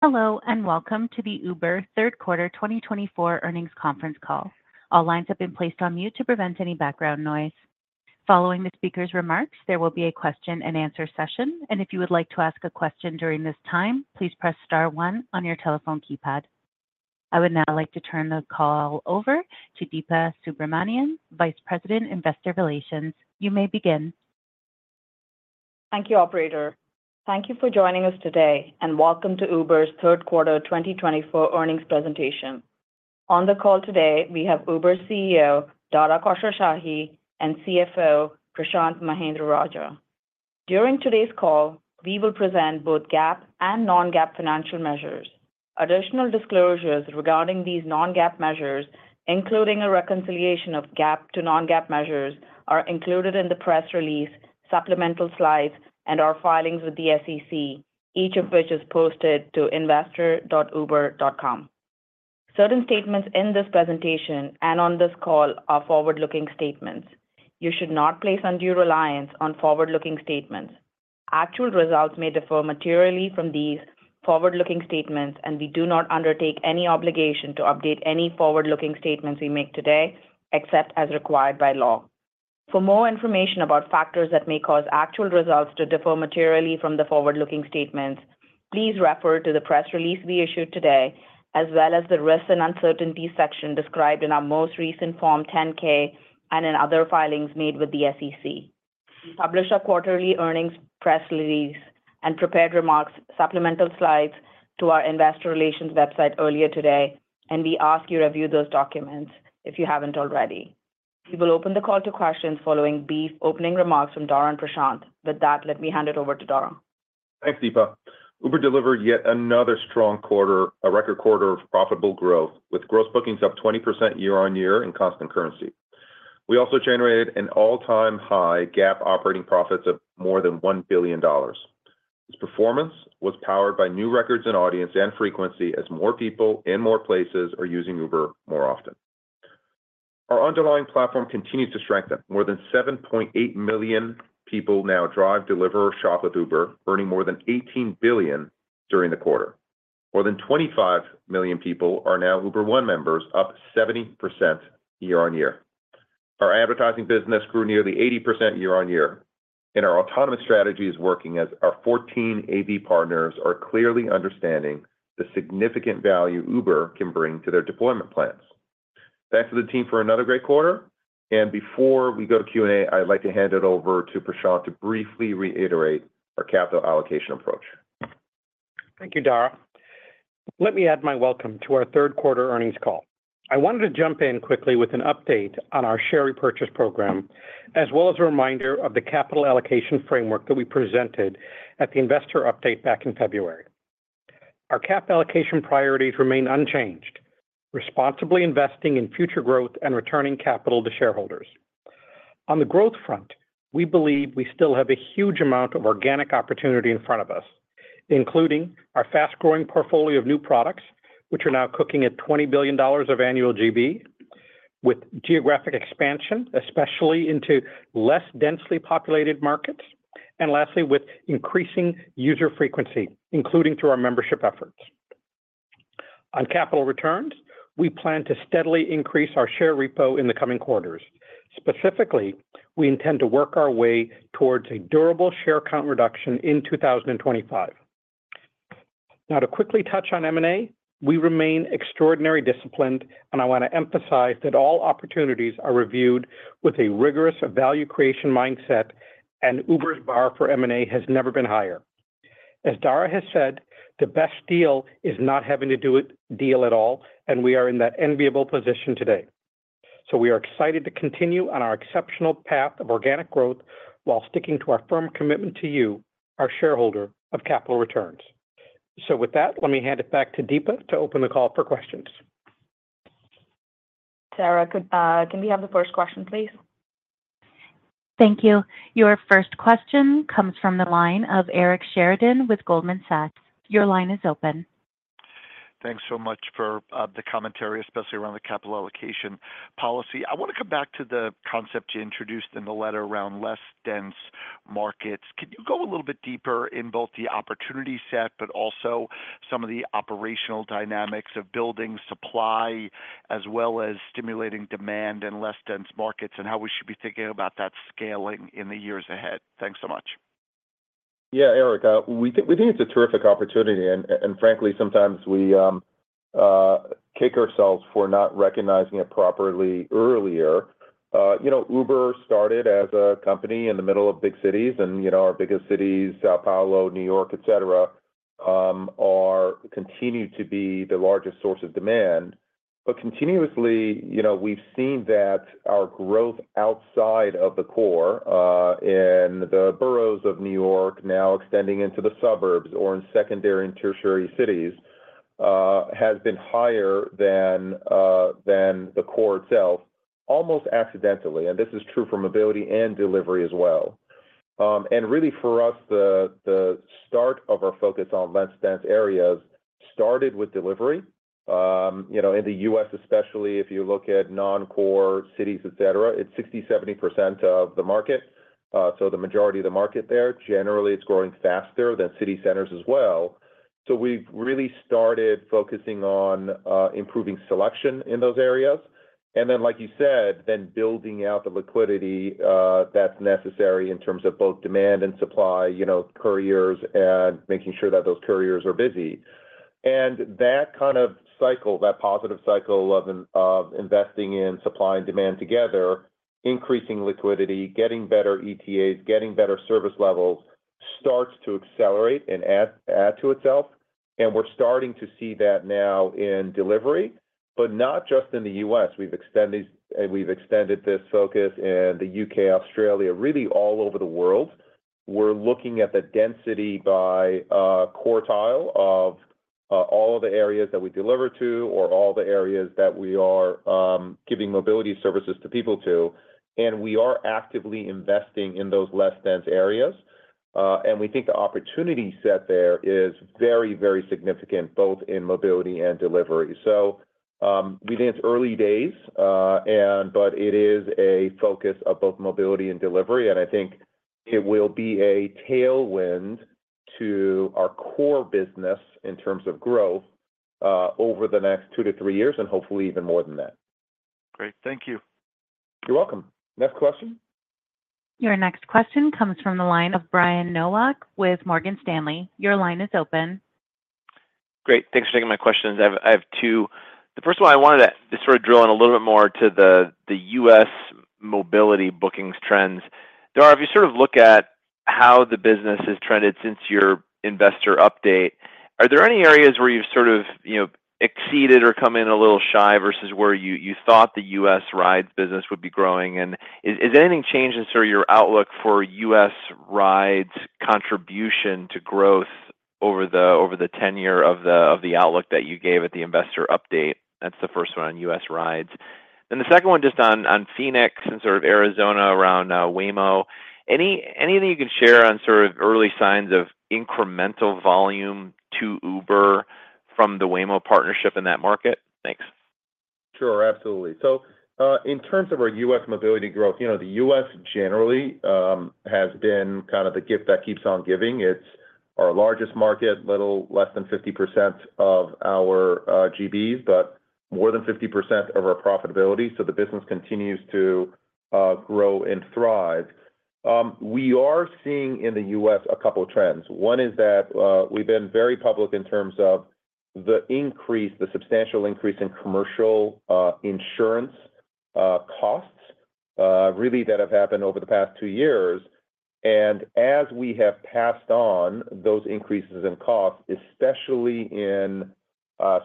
Hello and welcome to the Uber Third Quarter 2024 earnings conference call. All lines have been placed on mute to prevent any background noise. Following the speaker's remarks, there will be a question-and-answer session, and if you would like to ask a question during this time, please press star one on your telephone keypad. I would now like to turn the call over to Deepa Subramanian, Vice President, Investor Relations. You may begin. Thank you, Operator. Thank you for joining us today, and welcome to Uber's Third Quarter 2024 earnings presentation. On the call today, we have Uber's CEO, Dara Khosrowshahi, and CFO, Prashanth Mahendra-Rajah. During today's call, we will present both GAAP and non-GAAP financial measures. Additional disclosures regarding these non-GAAP measures, including a reconciliation of GAAP to non-GAAP measures, are included in the press release, supplemental slides, and our filings with the SEC, each of which is posted to investor.uber.com. Certain statements in this presentation and on this call are forward-looking statements. You should not place undue reliance on forward-looking statements. Actual results may differ materially from these forward-looking statements, and we do not undertake any obligation to update any forward-looking statements we make today except as required by law. For more information about factors that may cause actual results to differ materially from the forward-looking statements, please refer to the press release we issued today, as well as the risk and uncertainty section described in our most recent Form 10-K and in other filings made with the SEC. We published our quarterly earnings press release and prepared remarks, supplemental slides to our investor relations website earlier today, and we ask you to review those documents if you haven't already. We will open the call to questions following brief opening remarks from Dara and Prashanth. With that, let me hand it over to Dara. Thanks, Deepa. Uber delivered yet another strong quarter, a record quarter of profitable growth, with gross bookings up 20% year-on-year in constant currency. We also generated an all-time high GAAP operating profits of more than $1 billion. This performance was powered by new records in audience and frequency as more people in more places are using Uber more often. Our underlying platform continues to strengthen. More than 7.8 million people now drive, deliver, or shop with Uber, earning more than $18 billion during the quarter. More than 25 million people are now Uber One members, up 70% year-on-year. Our advertising business grew nearly 80% year-on-year, and our autonomous strategy is working as our 14 AV partners are clearly understanding the significant value Uber can bring to their deployment plans. Thanks to the team for another great quarter. Before we go to Q&A, I'd like to hand it over to Prashanth to briefly reiterate our capital allocation approach. Thank you, Dara. Let me add my welcome to our Third Quarter earnings call. I wanted to jump in quickly with an update on our Share Repurchase Program, as well as a reminder of the capital allocation framework that we presented at the investor update back in February. Our capital allocation priorities remain unchanged, responsibly investing in future growth and returning capital to shareholders. On the growth front, we believe we still have a huge amount of organic opportunity in front of us, including our fast-growing portfolio of new products, which are now cooking at $20 billion of annual GB, with geographic expansion, especially into less densely populated markets, and lastly, with increasing user frequency, including through our membership efforts. On capital returns, we plan to steadily increase our share repo in the coming quarters. Specifically, we intend to work our way towards a durable share count reduction in 2025. Now, to quickly touch on M&A, we remain extraordinarily disciplined, and I want to emphasize that all opportunities are reviewed with a rigorous value creation mindset, and Uber's bar for M&A has never been higher. As Dara has said, the best deal is not having to do a deal at all, and we are in that enviable position today. So we are excited to continue on our exceptional path of organic growth while sticking to our firm commitment to you, our shareholder, of capital returns. So with that, let me hand it back to Deepa to open the call for questions. Sarah, can we have the first question, please? Thank you. Your first question comes from the line of Eric Sheridan with Goldman Sachs. Your line is open. Thanks so much for the commentary, especially around the capital allocation policy. I want to come back to the concept you introduced in the letter around less dense markets. Can you go a little bit deeper in both the opportunity set, but also some of the operational dynamics of building supply, as well as stimulating demand in less dense markets, and how we should be thinking about that scaling in the years ahead? Thanks so much. Yeah, Eric, we think it's a terrific opportunity, and frankly, sometimes we kick ourselves for not recognizing it properly earlier. Uber started as a company in the middle of big cities, and our biggest cities, São Paulo, New York, etc., continue to be the largest source of demand, but continuously, we've seen that our growth outside of the core, in the boroughs of New York, now extending into the suburbs or in secondary and tertiary cities, has been higher than the core itself, almost accidentally, and this is true for mobility and delivery as well, and really, for us, the start of our focus on less dense areas started with delivery. In the U.S., especially, if you look at non-core cities, etc., it's 60%-70% of the market, so the majority of the market there. Generally, it's growing faster than city centers as well. So we've really started focusing on improving selection in those areas, and then, like you said, then building out the liquidity that's necessary in terms of both demand and supply, couriers, and making sure that those couriers are busy and that kind of cycle, that positive cycle of investing in supply and demand together, increasing liquidity, getting better ETAs, getting better service levels, starts to accelerate and add to itself. And we're starting to see that now in delivery, but not just in the U.S. We've extended this focus in the U.K., Australia, really all over the world. We're looking at the density by quartile of all of the areas that we deliver to or all the areas that we are giving mobility services to people to. We are actively investing in those less dense areas, and we think the opportunity set there is very, very significant, both in mobility and delivery. We think it's early days, but it is a focus of both mobility and delivery, and I think it will be a tailwind to our core business in terms of growth over the next two to three years, and hopefully even more than that. Great. Thank you. You're welcome. Next question. Your next question comes from the line of Brian Nowak with Morgan Stanley. Your line is open. Great. Thanks for taking my questions. I have two. The first one, I wanted to sort of drill in a little bit more to the U.S. mobility bookings trends. Dara, if you sort of look at how the business has trended since your investor update, are there any areas where you've sort of exceeded or come in a little shy versus where you thought the U.S. rides business would be growing? And has anything changed in sort of your outlook for U.S. rides' contribution to growth over the tenure of the outlook that you gave at the investor update? That's the first one on U.S. rides. And the second one, just on Phoenix and sort of Arizona around Waymo, anything you can share on sort of early signs of incremental volume to Uber from the Waymo partnership in that market? Thanks. Sure, absolutely, so in terms of our U.S. mobility growth, the U.S. generally has been kind of the gift that keeps on giving. It's our largest market, a little less than 50% of our GBs, but more than 50% of our profitability, so the business continues to grow and thrive. We are seeing in the U.S. a couple of trends. One is that we've been very public in terms of the increase, the substantial increase in commercial insurance costs, really, that have happened over the past two years, and as we have passed on those increases in costs, especially in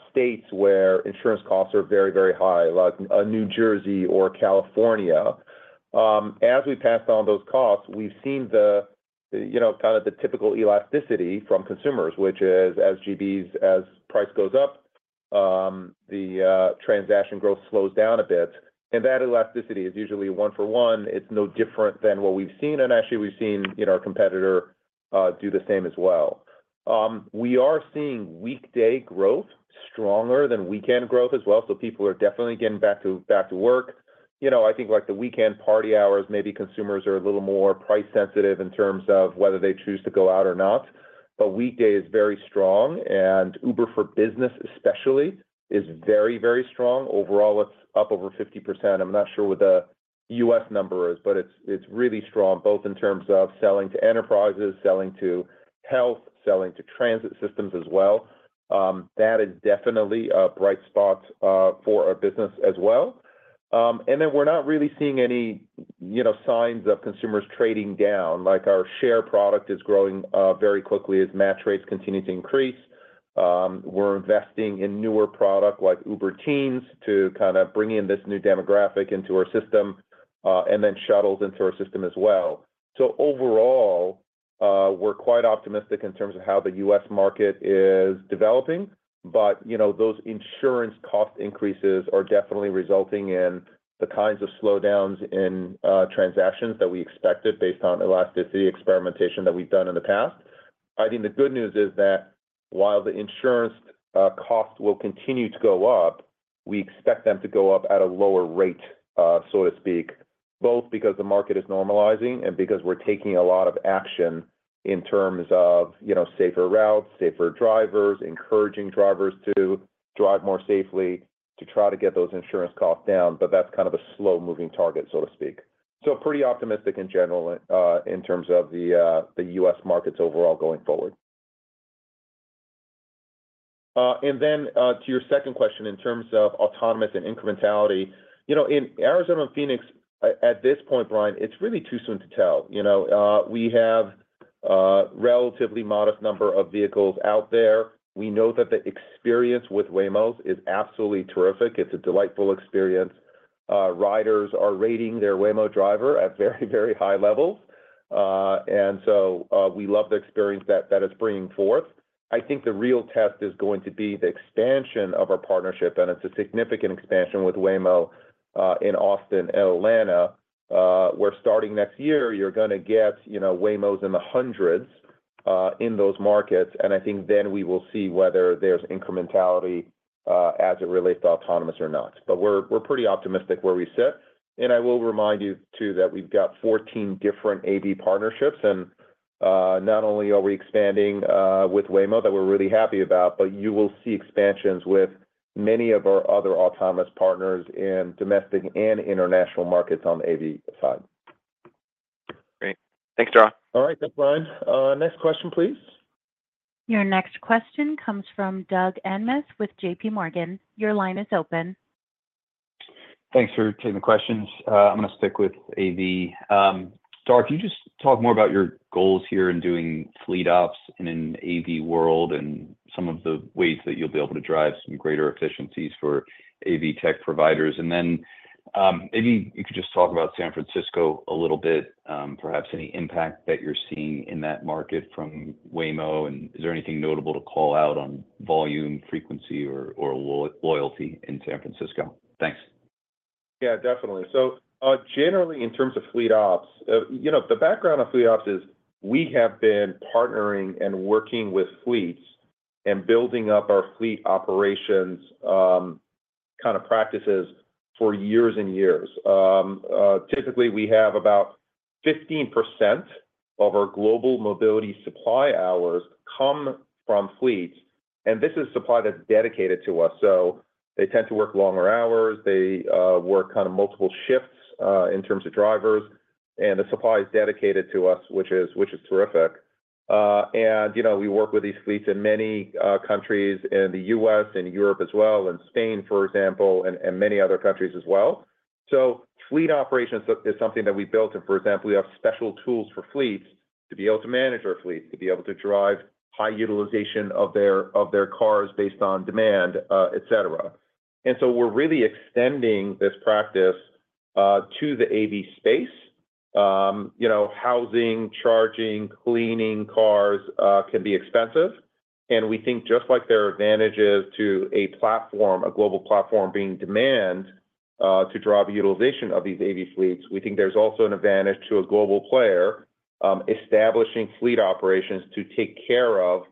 states where insurance costs are very, very high, like New Jersey or California, as we passed on those costs, we've seen kind of the typical elasticity from consumers, which is as GBs, as price goes up, the transaction growth slows down a bit. That elasticity is usually one for one. It's no different than what we've seen, and actually, we've seen our competitor do the same as well. We are seeing weekday growth stronger than weekend growth as well. So people are definitely getting back to work. I think like the weekend party hours, maybe consumers are a little more price-sensitive in terms of whether they choose to go out or not. But weekday is very strong, and Uber for Business, especially, is very, very strong. Overall, it's up over 50%. I'm not sure what the U.S. number is, but it's really strong, both in terms of selling to enterprises, selling to health, selling to transit systems as well. That is definitely a bright spot for our business as well. And then we're not really seeing any signs of consumers trading down. Like our share product is growing very quickly as match rates continue to increase. We're investing in newer products like Uber Teens to kind of bring in this new demographic into our system and then shuttles into our system as well. So overall, we're quite optimistic in terms of how the U.S. market is developing, but those insurance cost increases are definitely resulting in the kinds of slowdowns in transactions that we expected based on elasticity experimentation that we've done in the past. I think the good news is that while the insurance costs will continue to go up, we expect them to go up at a lower rate, so to speak, both because the market is normalizing and because we're taking a lot of action in terms of safer routes, safer drivers, encouraging drivers to drive more safely to try to get those insurance costs down, but that's kind of a slow-moving target, so to speak, so pretty optimistic in general in terms of the U.S. markets overall going forward. Then to your second question in terms of autonomous and incrementality, in Arizona and Phoenix, at this point, Brian, it's really too soon to tell. We have a relatively modest number of vehicles out there. We know that the experience with Waymos is absolutely terrific. It's a delightful experience. Riders are rating their Waymo driver at very, very high levels. We love the experience that it's bringing forth. I think the real test is going to be the expansion of our partnership, and it's a significant expansion with Waymo in Austin/Atlanta. We're starting next year. You're going to get Waymos in the hundreds in those markets, and I think then we will see whether there's incrementality as it relates to autonomous or not. But we're pretty optimistic where we sit. I will remind you too that we've got 14 different AV partnerships, and not only are we expanding with Waymo that we're really happy about, but you will see expansions with many of our other autonomous partners in domestic and international markets on the AV side. Great. Thanks, Dara. All right. Thanks, Brian. Next question, please. Your next question comes from Doug Anmuth with JPMorgan. Your line is open. Thanks for taking the questions. I'm going to stick with AV. Dara, can you just talk more about your goals here in doing fleet ops in an AV world and some of the ways that you'll be able to drive some greater efficiencies for AV tech providers? And then maybe you could just talk about San Francisco a little bit, perhaps any impact that you're seeing in that market from Waymo, and is there anything notable to call out on volume, frequency, or loyalty in San Francisco? Thanks. Yeah, definitely. So generally, in terms of fleet ops, the background of fleet ops is we have been partnering and working with fleets and building up our fleet operations kind of practices for years and years. Typically, we have about 15% of our global mobility supply hours come from fleets, and this is supply that's dedicated to us. So they tend to work longer hours. They work kind of multiple shifts in terms of drivers, and the supply is dedicated to us, which is terrific. And we work with these fleets in many countries in the U.S. and Europe as well, in Spain, for example, and many other countries as well. So fleet operations is something that we've built, and for example, we have special tools for fleets to be able to manage our fleets, to be able to drive high utilization of their cars based on demand, etc. We're really extending this practice to the AV space. Housing, charging, cleaning cars can be expensive, and we think just like there are advantages to a platform, a global platform being demand to drive utilization of these AV fleets, we think there's also an advantage to a global player establishing fleet operations to take care of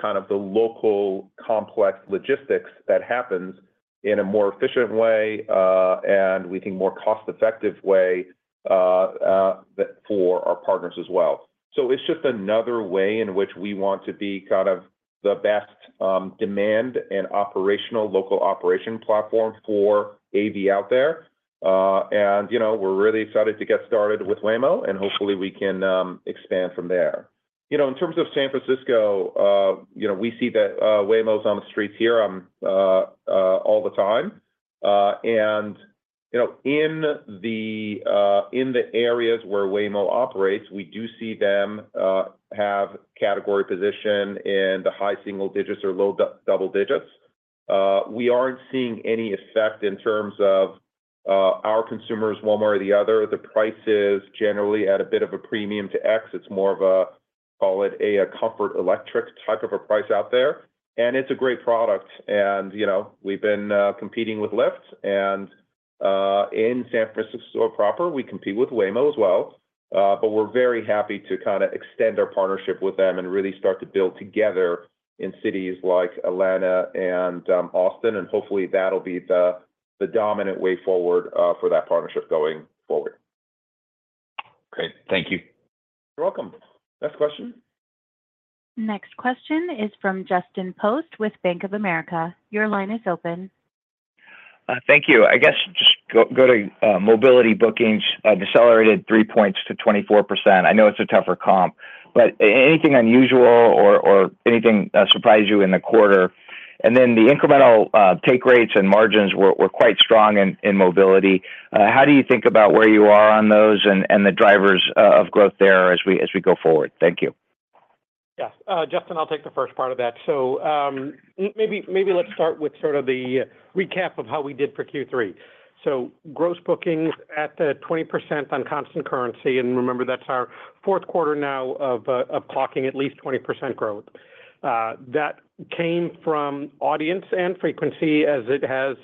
kind of the local complex logistics that happens in a more efficient way and, we think, more cost-effective way for our partners as well. It's just another way in which we want to be kind of the best demand and local operation platform for AV out there. We're really excited to get started with Waymo, and hopefully we can expand from there. In terms of San Francisco, we see that Waymos on the streets here all the time. In the areas where Waymo operates, we do see them have category position in the high single digits or low double digits. We aren't seeing any effect in terms of our consumers, one way or the other. The price is generally at a bit of a Premium to X. It's more of a, call it a Comfort Electric type of a price out there, and it's a great product. And we've been competing with Lyft, and in San Francisco proper, we compete with Waymo as well. But we're very happy to kind of extend our partnership with them and really start to build together in cities like Atlanta and Austin, and hopefully that'll be the dominant way forward for that partnership going forward. Great. Thank you. You're welcome. Next question. Next question is from Justin Post with Bank of America. Your line is open. Thank you. I guess just go to mobility bookings, decelerated three points to 24%. I know it's a tougher comp, but anything unusual or anything surprised you in the quarter? And then the incremental take rates and margins were quite strong in mobility. How do you think about where you are on those and the drivers of growth there as we go forward? Thank you. Yes. Justin, I'll take the first part of that. So maybe let's start with sort of the recap of how we did for Q3. So gross bookings at 20% on constant currency, and remember that's our fourth quarter now of clocking at least 20% growth. That came from audience and frequency as it has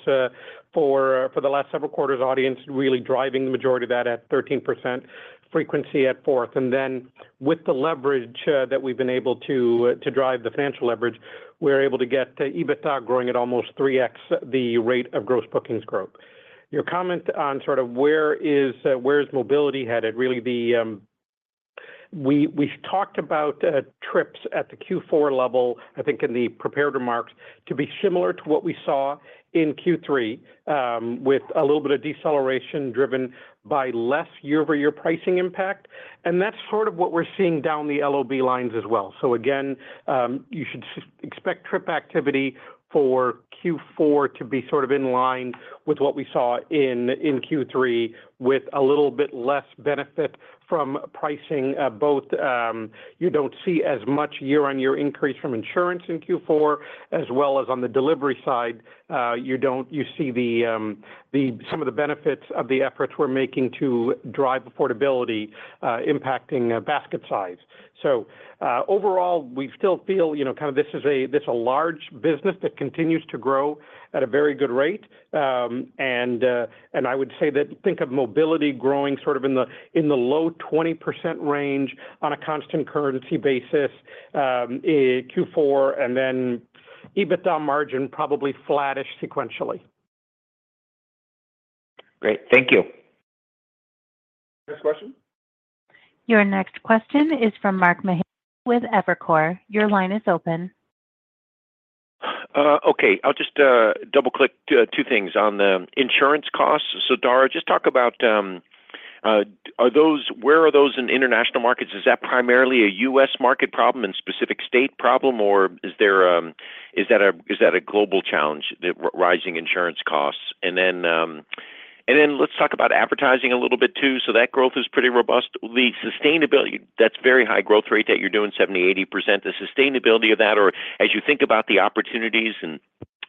for the last several quarters, audience really driving the majority of that at 13%, frequency at 4% and then with the leverage that we've been able to drive the financial leverage, we're able to get EBITDA growing at almost 3x the rate of gross bookings growth. Your comment on sort of where is mobility headed. Really, we've talked about trips at the Q4 level, I think in the prepared remarks, to be similar to what we saw in Q3 with a little bit of deceleration driven by less year-over-year pricing impact and that's sort of what we're seeing down the LOB lines as well. So again, you should expect trip activity for Q4 to be sort of in line with what we saw in Q3 with a little bit less benefit from pricing. Both you don't see as much year-on-year increase from insurance in Q4 as well as on the delivery side. You see some of the benefits of the efforts we're making to drive affordability impacting basket size. So overall, we still feel kind of this is a large business that continues to grow at a very good rate. And I would say that think of mobility growing sort of in the low 20% range on a constant currency basis Q4, and then EBITDA margin probably flattish sequentially. Great. Thank you. Next question. Your next question is from Mark Mahaney with Evercore. Your line is open. Okay. I'll just double-click two things on the insurance costs. So Dara, just talk about where are those in international markets? Is that primarily a U.S. market problem and specific state problem, or is that a global challenge, rising insurance costs? And then let's talk about advertising a little bit too. So that growth is pretty robust. That's very high growth rate that you're doing, 70%-80%. The sustainability of that, or as you think about the opportunities, and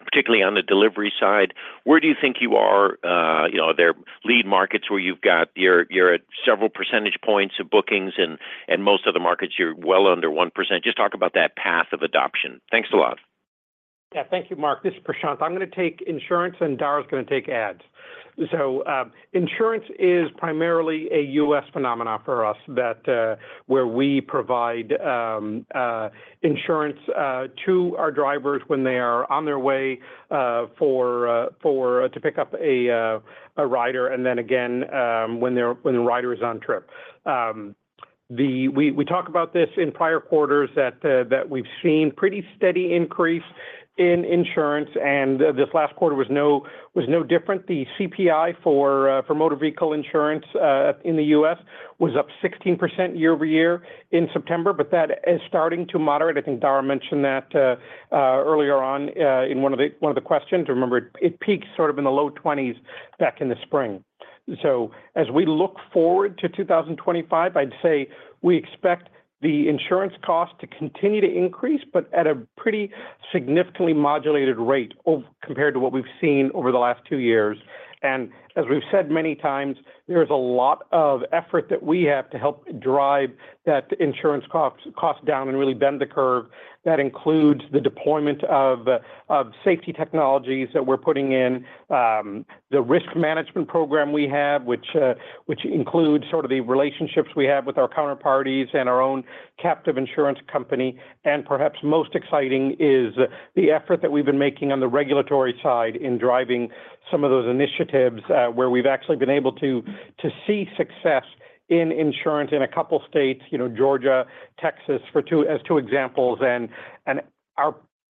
particularly on the delivery side, where do you think you are? Are there lead markets where you've got you're at several percentage points of bookings, and most other markets you're well under 1%? Just talk about that path of adoption. Thanks a lot. Yeah. Thank you, Mark. This is Prashanth. I'm going to take insurance, and Dara's going to take ads. So insurance is primarily a U.S. phenomenon for us where we provide insurance to our drivers when they are on their way to pick up a rider, and then again when the rider is on trip. We talk about this in prior quarters that we've seen pretty steady increase in insurance, and this last quarter was no different. The CPI for motor vehicle insurance in the U.S. was up 16% year-over-year in September, but that is starting to moderate. I think Dara mentioned that earlier on in one of the questions. Remember, it peaked sort of in the low 20s back in the spring. So as we look forward to 2025, I'd say we expect the insurance cost to continue to increase, but at a pretty significantly modulated rate compared to what we've seen over the last two years. And as we've said many times, there is a lot of effort that we have to help drive that insurance cost down and really bend the curve. That includes the deployment of safety technologies that we're putting in, the risk management program we have, which includes sort of the relationships we have with our counterparties and our own captive insurance company and perhaps most exciting is the effort that we've been making on the regulatory side in driving some of those initiatives where we've actually been able to see success in insurance in a couple of states, Georgia, Texas as two examples and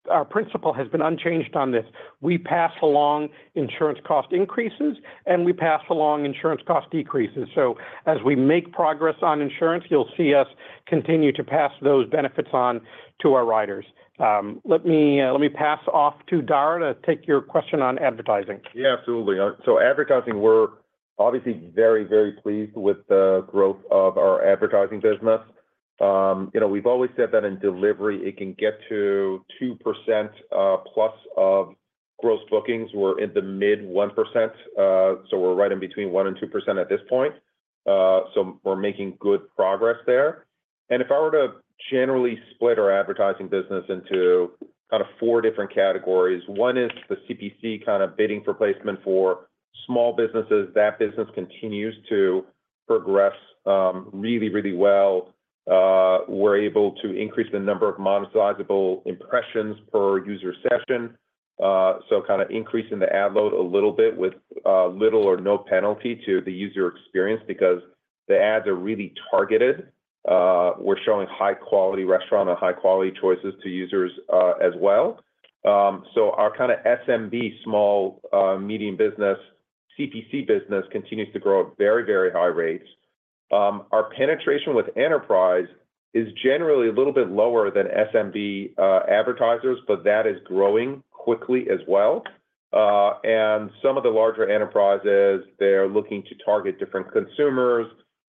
our principle has been unchanged on this. We pass along insurance cost increases, and we pass along insurance cost decreases. So as we make progress on insurance, you'll see us continue to pass those benefits on to our riders. Let me pass off to Dara to take your question on advertising. Yeah, absolutely. So advertising, we're obviously very, very pleased with the growth of our advertising business. We've always said that in delivery, it can get to 2% plus of gross bookings. We're in the mid 1%, so we're right in between 1% and 2% at this point. So we're making good progress there and if I were to generally split our advertising business into kind of four different categories, one is the CPC kind of bidding for placement for small businesses. That business continues to progress really, really well. We're able to increase the number of monetizable impressions per user session, so kind of increasing the ad load a little bit with little or no penalty to the user experience because the ads are really targeted. We're showing high-quality restaurant and high-quality choices to users as well. Our kind of SMB, small, medium business, CPC business continues to grow at very, very high rates. Our penetration with enterprise is generally a little bit lower than SMB advertisers, but that is growing quickly as well. Some of the larger enterprises, they're looking to target different consumers.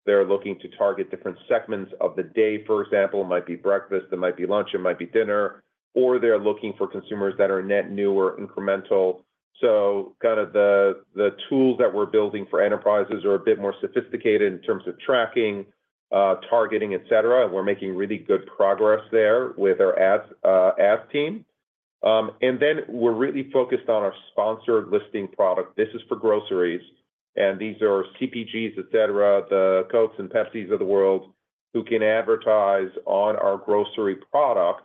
They're looking to target different segments of the day, for example. It might be breakfast, it might be lunch, it might be dinner, or they're looking for consumers that are net new or incremental. Kind of the tools that we're building for enterprises are a bit more sophisticated in terms of tracking, targeting, etc. We're making really good progress there with our ads team. We're really focused on our sponsored listing product. This is for groceries, and these are CPGs, etc., the Cokes and Pepsis of the world who can advertise on our grocery product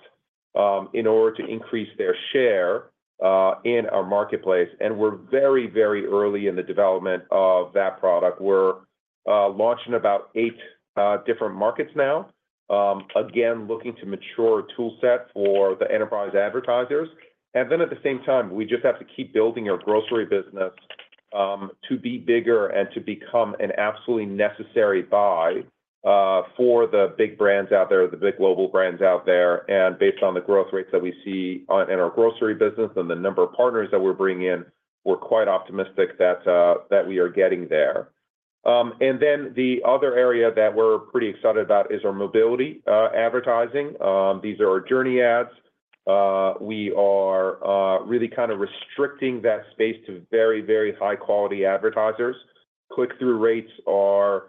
in order to increase their share in our marketplace. And we're very, very early in the development of that product. We're launching about eight different markets now, again, looking to mature a toolset for the enterprise advertisers and then at the same time, we just have to keep building our grocery business to be bigger and to become an absolutely necessary buy for the big brands out there, the big global brands out there and based on the growth rates that we see in our grocery business and the number of partners that we're bringing in, we're quite optimistic that we are getting there and then the other area that we're pretty excited about is our mobility advertising. These are our Journey Ads. We are really kind of restricting that space to very, very high-quality advertisers. Click-through rates are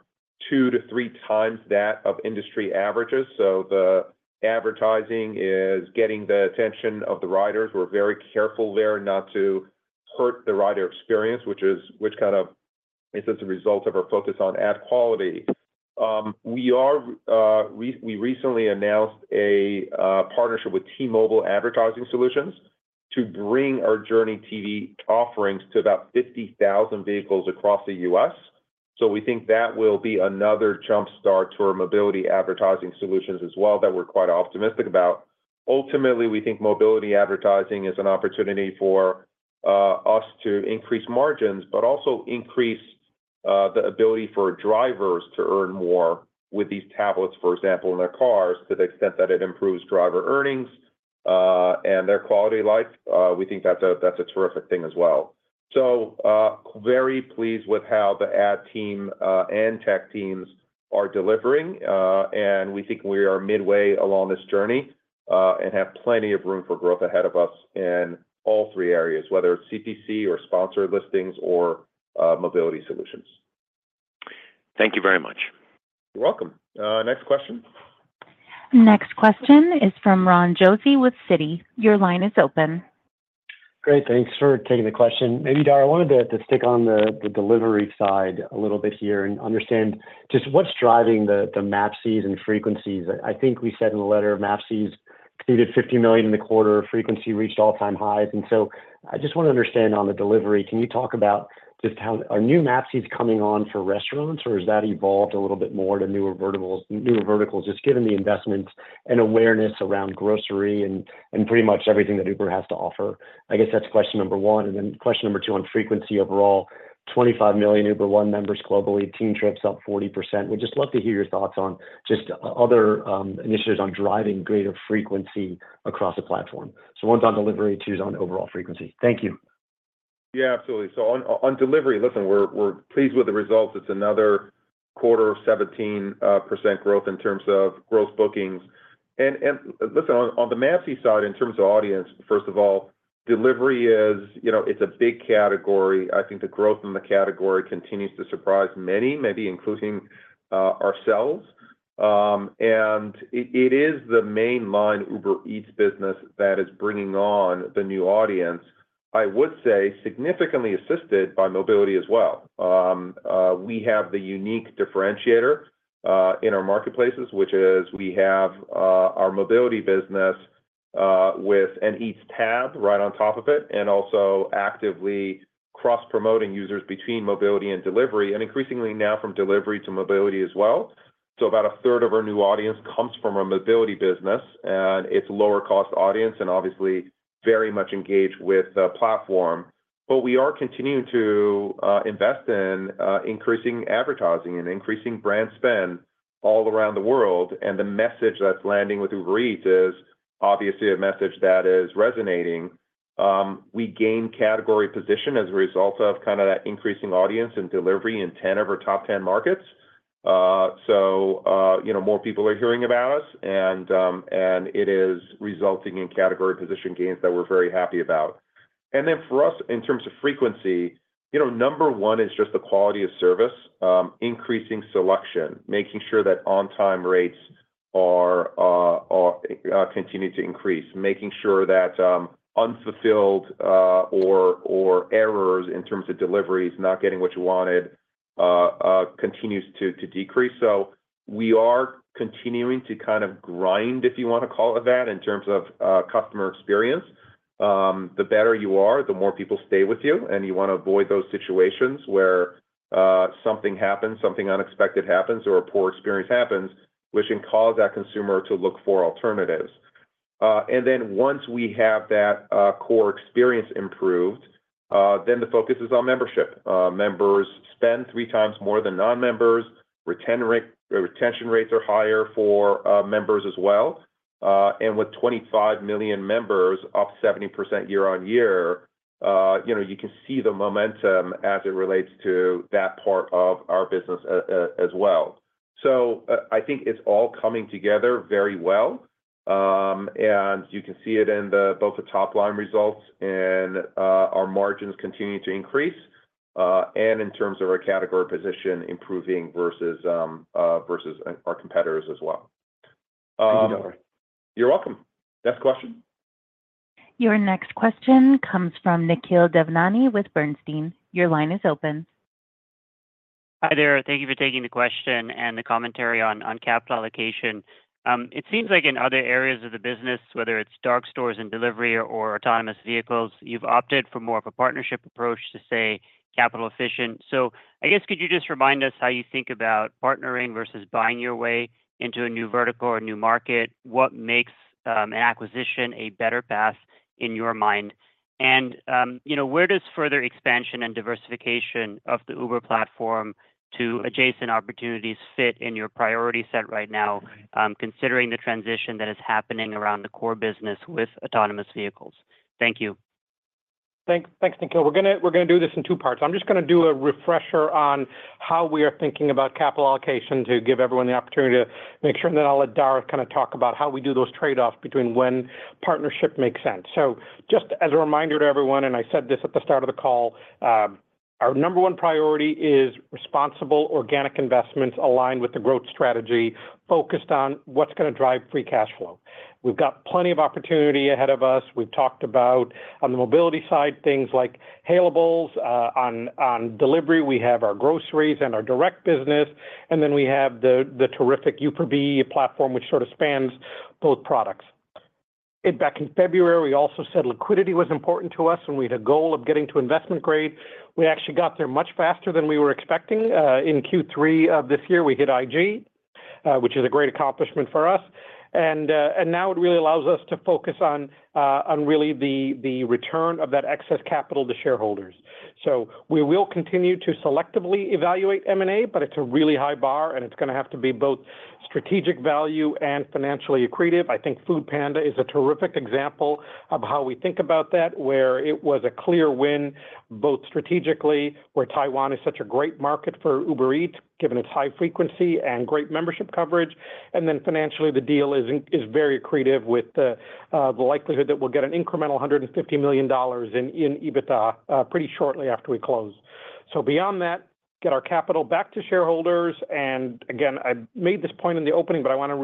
two to three times that of industry averages. So the advertising is getting the attention of the riders. We're very careful there not to hurt the rider experience, which kind of is a result of our focus on ad quality. We recently announced a partnership with T-Mobile Advertising Solutions to bring our JourneyTV offerings to about 50,000 vehicles across the U.S. So we think that will be another jumpstart to our mobility advertising solutions as well that we're quite optimistic about. Ultimately, we think mobility advertising is an opportunity for us to increase margins, but also increase the ability for drivers to earn more with these tablets, for example, in their cars to the extent that it improves driver earnings and their quality of life. We think that's a terrific thing as well. So very pleased with how the ad team and tech teams are delivering, and we think we are midway along this journey and have plenty of room for growth ahead of us in all three areas, whether it's CPC or Sponsored Listings or Mobility Solutions. Thank you very much. You're welcome. Next question. Next question is from Ron Josey with Citi. Your line is open. Great. Thanks for taking the question. Maybe, Dara, I wanted to stick on the delivery side a little bit here and understand just what's driving the MAPCs and frequencies. I think we said in the letter MAPCs exceeded 50 million in the quarter, frequency reached all-time highs. And so I just want to understand on the delivery, can you talk about just how are new MAPCs coming on for restaurants, or has that evolved a little bit more to newer verticals just given the investments and awareness around grocery and pretty much everything that Uber has to offer? I guess that's question number one. And then question number two on frequency overall, 25 million Uber One members globally, team trips up 40%. We'd just love to hear your thoughts on just other initiatives on driving greater frequency across the platform. So one's on delivery, two's on overall frequency. Thank you. Yeah, absolutely. So on delivery, listen, we're pleased with the results. It's another quarter of 17% growth in terms of gross bookings. And listen, on the MAPC side in terms of audience, first of all, delivery is a big category. I think the growth in the category continues to surprise many, maybe including ourselves and it is the mainline Uber Eats business that is bringing on the new audience, I would say significantly assisted by mobility as well. We have the unique differentiator in our marketplaces, which is we have our mobility business with an Eats tab right on top of it and also actively cross-promoting users between mobility and delivery, and increasingly now from delivery to mobility as well. So about a third of our new audience comes from our mobility business, and it's a lower-cost audience and obviously very much engaged with the platform. But we are continuing to invest in increasing advertising and increasing brand spend all around the world. And the message that's landing with Uber Eats is obviously a message that is resonating. We gain category position as a result of kind of that increasing audience and delivery in 10 of our top 10 markets. So more people are hearing about us, and it is resulting in category position gains that we're very happy about. And then for us, in terms of frequency, number one is just the quality of service, increasing selection, making sure that on-time rates continue to increase, making sure that unfulfilled or errors in terms of deliveries, not getting what you wanted, continues to decrease. So we are continuing to kind of grind, if you want to call it that, in terms of customer experience. The better you are, the more people stay with you, and you want to avoid those situations where something happens, something unexpected happens, or a poor experience happens, which can cause that consumer to look for alternatives and then once we have that core experience improved, then the focus is on membership. Members spend three times more than non-members. Retention rates are higher for members as well. And with 25 million members up 70% year-on-year, you can see the momentum as it relates to that part of our business as well. So I think it's all coming together very well, and you can see it in both the top-line results and our margins continuing to increase and in terms of our category position improving versus our competitors as well. You're welcome. Next question. Your next question comes from Nikhil Devnani with Bernstein. Your line is open. Hi there. Thank you for taking the question and the commentary on capital allocation. It seems like in other areas of the business, whether it's grocery stores and delivery or autonomous vehicles, you've opted for more of a partnership approach to stay capital efficient. So I guess could you just remind us how you think about partnering versus buying your way into a new vertical or a new market? What makes an acquisition a better path in your mind? And where does further expansion and diversification of the Uber platform to adjacent opportunities fit in your priority set right now, considering the transition that is happening around the core business with autonomous vehicles? Thank you. Thanks, Nikhil. We're going to do this in two parts. I'm just going to do a refresher on how we are thinking about capital allocation to give everyone the opportunity to make sure, and then I'll let Dara kind of talk about how we do those trade-offs between when partnership makes sense, so just as a reminder to everyone, and I said this at the start of the call, our number one priority is responsible organic investments aligned with the growth strategy focused on what's going to drive free cash flow. We've got plenty of opportunity ahead of us. We've talked about on the mobility side, things like Hailables. On delivery, we have our groceries and our Direct business, and then we have the terrific Uber Eats platform, which sort of spans both products. Back in February, we also said liquidity was important to us, and we had a goal of getting to Investment Grade. We actually got there much faster than we were expecting. In Q3 of this year, we hit IG, which is a great accomplishment for us. And now it really allows us to focus on really the return of that excess capital to shareholders. So we will continue to selectively evaluate M&A, but it's a really high bar, and it's going to have to be both strategic value and financially accretive. I think foodpanda is a terrific example of how we think about that, where it was a clear win both strategically, where Taiwan is such a great market for Uber Eats, given its high frequency and great membership coverag and then, financially, the deal is very accretive with the likelihood that we'll get an incremental $150 million in EBITDA pretty shortly after we close. So beyond that, get our capital back to shareholders. And again, I made this point in the opening, but I want to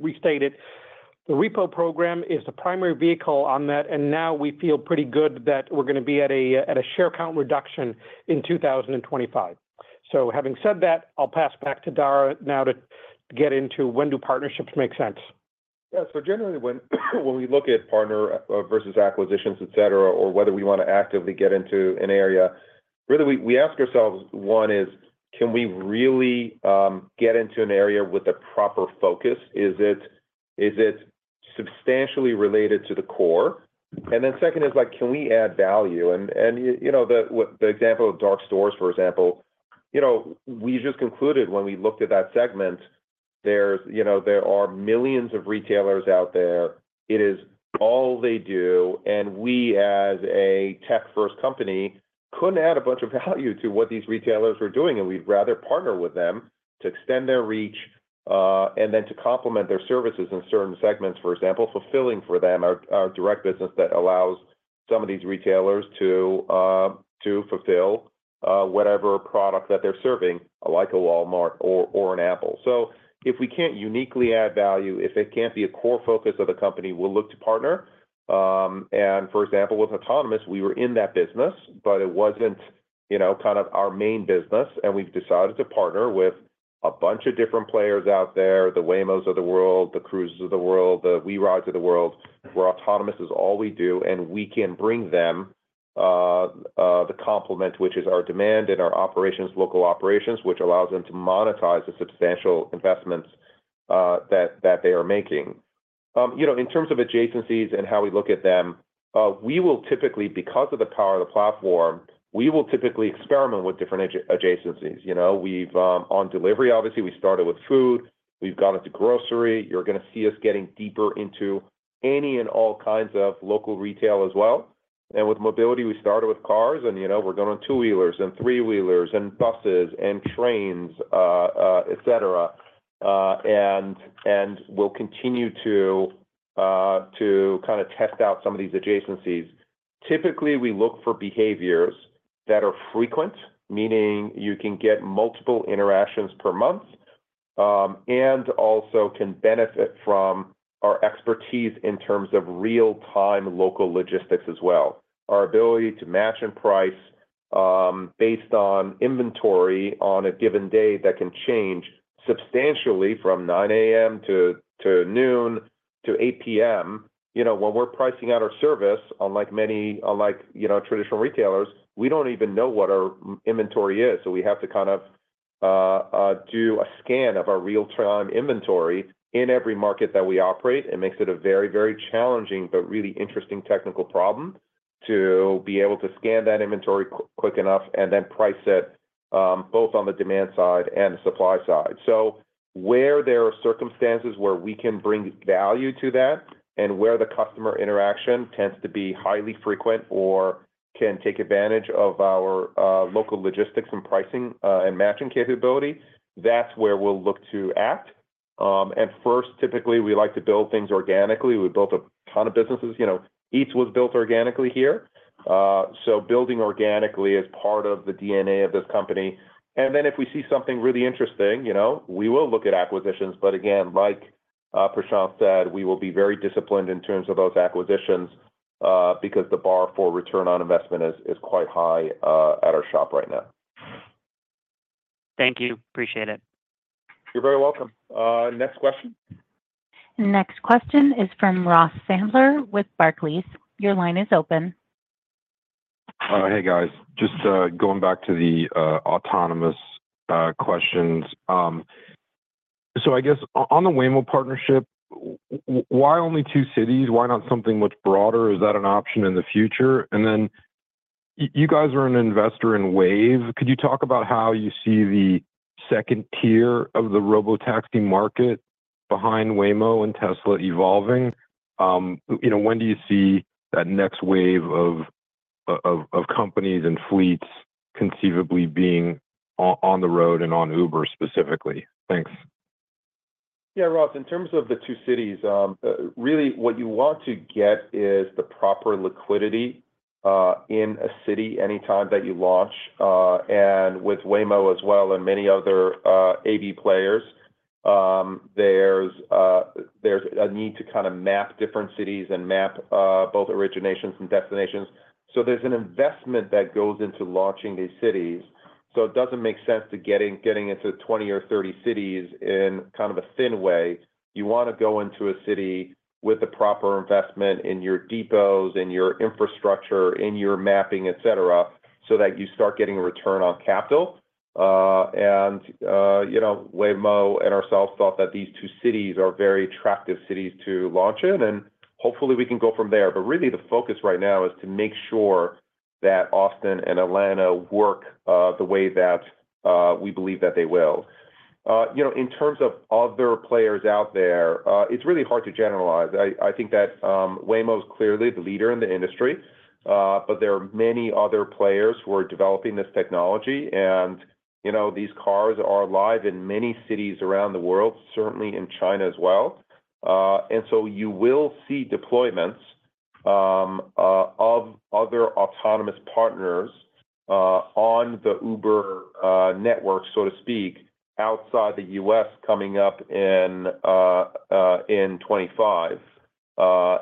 restate it. The repo program is the primary vehicle on that, and now we feel pretty good that we're going to be at a share count reduction in 2025. So having said that, I'll pass back to Dara now to get into when do partnerships make sense. Yeah, so generally, when we look at partner versus acquisitions, etc., or whether we want to actively get into an area, really we ask ourselves, one is, can we really get into an area with a proper focus? Is it substantially related to the core? And then second is like, can we add value? And the example of grocery stores, for example, we just concluded when we looked at that segment, there are millions of retailers out there. It is all they do and we, as a tech-first company, couldn't add a bunch of value to what these retailers were doing, and we'd rather partner with them to extend their reach and then to complement their services in certain segments, for example, fulfilling for them our direct business that allows some of these retailers to fulfill whatever product that they're serving, like a Walmart or an Apple. If we can't uniquely add value, if it can't be a core focus of the company, we'll look to partner. For example, with autonomous, we were in that business, but it wasn't kind of our main business, and we've decided to partner with a bunch of different players out there, the Waymos of the world, the Cruises of the world, the WeRides of the world. Where autonomous is all we do, and we can bring them the complement, which is our demand and our local operations, which allows them to monetize the substantial investments that they are making. In terms of adjacencies and how we look at them, we will typically, because of the power of the platform, we will typically experiment with different adjacencies. On delivery, obviously, we started with food. We've gone into grocery. You're going to see us getting deeper into any and all kinds of local retail as well. And with mobility, we started with cars, and we're going on two-wheelers and three-wheelers and buses and trains, etc. And we'll continue to kind of test out some of these adjacencies. Typically, we look for behaviors that are frequent, meaning you can get multiple interactions per month and also can benefit from our expertise in terms of real-time local logistics as well. Our ability to match and price based on inventory on a given day that can change substantially from 9:00 A.M. to noon to 8:00 P.M. When we're pricing out our service, unlike many traditional retailers, we don't even know what our inventory is. So we have to kind of do a scan of our real-time inventory in every market that we operate. It makes it a very, very challenging, but really interesting technical problem to be able to scan that inventory quick enough and then price it both on the demand side and the supply side, so where there are circumstances where we can bring value to that and where the customer interaction tends to be highly frequent or can take advantage of our local logistics and pricing and matching capability, that's where we'll look to act, and first, typically, we like to build things organically. We built a ton of businesses. Eats was built organically here, so building organically is part of the DNA of this company, and then if we see something really interesting, we will look at acquisitions, but again, like Prashanth said, we will be very disciplined in terms of those acquisitions because the bar for return on investment is quite high at our shop right now. Thank you. Appreciate it. You're very welcome. Next question. Next question is from Ross Sandler with Barclays. Your line is open. Hey, guys. Just going back to the autonomous questions. So I guess on the Waymo partnership, why only two cities? Why not something much broader? Is that an option in the future? And then you guys are an investor in Wayve. Could you talk about how you see the second tier of the robotaxi market behind Waymo and Tesla evolving? When do you see that next wave of companies and fleets conceivably being on the road and on Uber specifically? Thanks. Yeah, Ross, in terms of the two cities, really what you want to get is the proper liquidity in a city anytime that you launch, and with Waymo as well and many other AV players, there's a need to kind of map different cities and map both originations and destinations. So there's an investment that goes into launching these cities, so it doesn't make sense to get into 20 or 30 cities in kind of a thin way. You want to go into a city with the proper investment in your depots, in your infrastructure, in your mapping, etc., so that you start getting a return on capital, and Waymo and ourselves thought that these two cities are very attractive cities to launch in, and hopefully we can go from there. But really, the focus right now is to make sure that Austin and Atlanta work the way that we believe that they will. In terms of other players out there, it's really hard to generalize. I think that Waymo is clearly the leader in the industry, but there are many other players who are developing this technology. And these cars are live in many cities around the world, certainly in China as well. And so you will see deployments of other autonomous partners on the Uber network, so to speak, outside the U.S. coming up in 2025.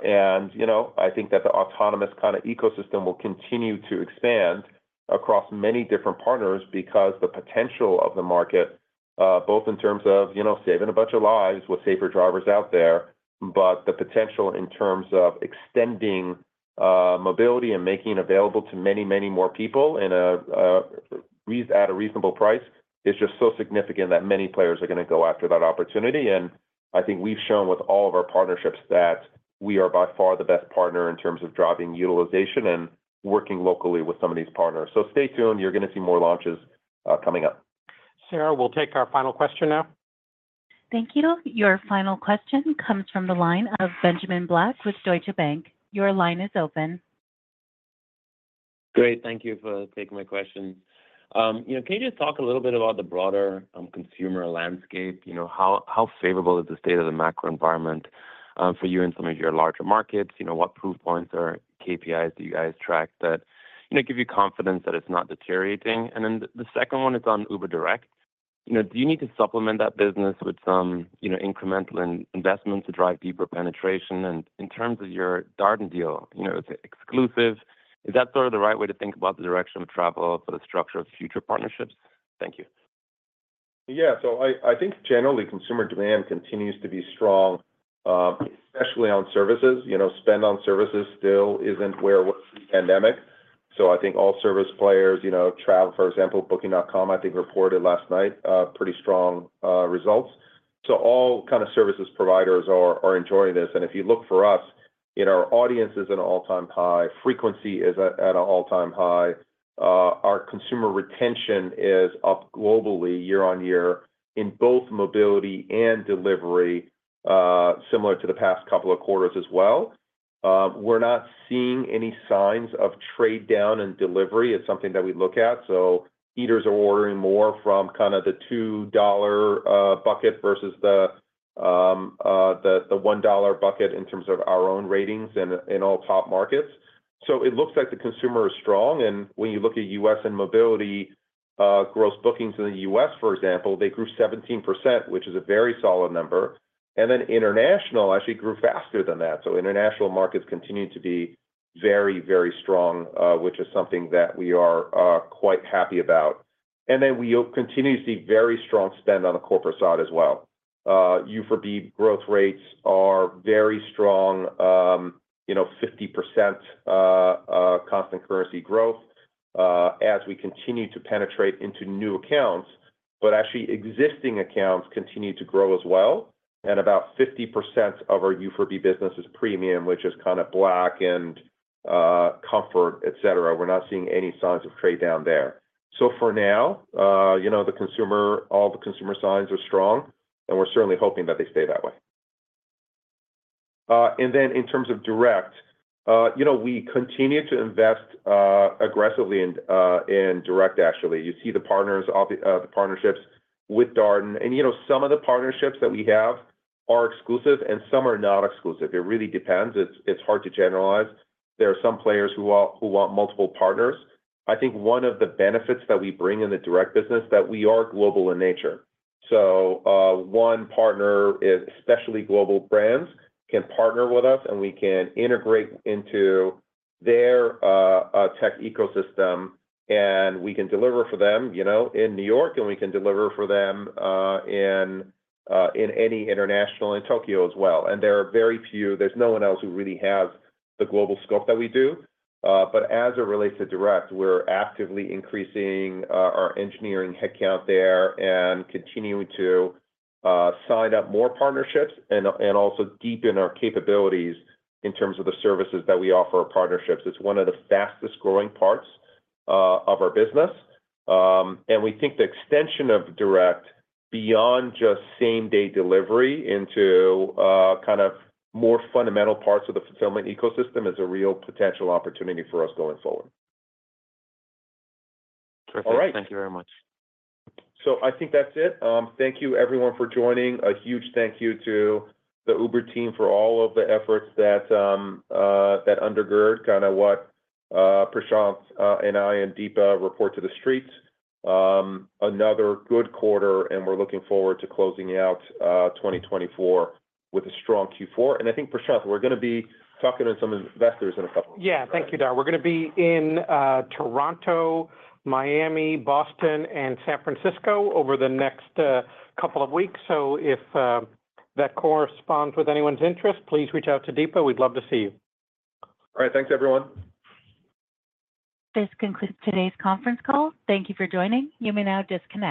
And I think that the autonomous kind of ecosystem will continue to expand across many different partners because the potential of the market, both in terms of saving a bunch of lives with safer drivers out there, but the potential in terms of extending mobility and making it available to many, many more people at a reasonable price is just so significant that many players are going to go after that opportunity. And I think we've shown with all of our partnerships that we are by far the best partner in terms of driving utilization and working locally with some of these partners. So stay tuned. You're going to see more launches coming up. Sarah, we'll take our final question now. Thank you. Your final question comes from the line of Benjamin Black with Deutsche Bank. Your line is open. Great. Thank you for taking my questions. Can you just talk a little bit about the broader consumer landscape? How favorable is the state of the macro environment for you and some of your larger markets? What proof points or KPIs do you guys track that give you confidence that it's not deteriorating? And then the second one is on Uber Direct. Do you need to supplement that business with some incremental investments to drive deeper penetration? And in terms of your Darden deal, it's exclusive. Is that sort of the right way to think about the direction of travel for the structure of future partnerships? Thank you. Yeah. So I think generally consumer demand continues to be strong, especially on services. Spend on services still isn't where it was pre-pandemic. So I think all service players, travel, for example, Booking.com, I think reported last night pretty strong results. So all kind of services providers are enjoying this. And if you look for us, our audience is at an all-time high. Frequency is at an all-time high. Our consumer retention is up globally year on year in both mobility and delivery, similar to the past couple of quarters as well. We're not seeing any signs of trade down in delivery. It's something that we look at. So eaters are ordering more from kind of the $2 bucket versus the $1 bucket in terms of our own ratings in all top markets. So it looks like the consumer is strong. And when you look at U.S. and mobility, gross bookings in the U.S., for example, they grew 17%, which is a very solid number. And then international actually grew faster than that. So international markets continue to be very, very strong, which is something that we are quite happy about. And then we continue to see very strong spend on the corporate side as well. Uber Eats growth rates are very strong, 50% constant currency growth as we continue to penetrate into new accounts, but actually existing accounts continue to grow as well. And about 50% of our Uber Eats business is premium, which is kind of Black and Comfort, etc. We're not seeing any signs of trade down there. So for now, all the consumer signs are strong, and we're certainly hoping that they stay that way. Then in terms of Direct, we continue to invest aggressively in direct, actually. You see the partnerships with Darden. Some of the partnerships that we have are exclusive, and some are not exclusive. It really depends. It's hard to generalize. There are some players who want multiple partners. I think one of the benefits that we bring in the direct business is that we are global in nature. So one partner, especially global brands, can partner with us, and we can integrate into their tech ecosystem, and we can deliver for them in New York, and we can deliver for them in any international city in Tokyo as well. There are very few. There's no one else who really has the global scope that we do. As it relates to Direct, we're actively increasing our engineering headcount there and continuing to sign up more partnerships and also deepen our capabilities in terms of the services that we offer our partnerships. It's one of the fastest growing parts of our business. We think the extension of direct beyond just same-day delivery into kind of more fundamental parts of the fulfillment ecosystem is a real potential opportunity for us going forward. Terrific. Thank you very much. All right. So I think that's it. Thank you, everyone, for joining. A huge thank you to the Uber team for all of the efforts that undergird kind of what Prashanth and I and Deepa report to the streets. Another good quarter, and we're looking forward to closing out 2024 with a strong Q4. And I think, Prashanth, we're going to be talking to some investors in a couple of weeks. Yeah. Thank you, Dara. We're going to be in Toronto, Miami, Boston, and San Francisco over the next couple of weeks, so if that corresponds with anyone's interest, please reach out to Deepa. We'd love to see you. All right. Thanks, everyone. This concludes today's conference call. Thank you for joining. You may now disconnect.